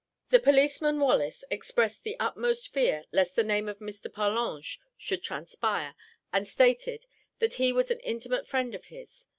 The policeman, Wallace, expressed the utmost fear lest the name of Mr. Parlange should transpire, and stated, that he was an intimate friend of his.